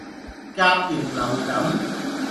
甲型流感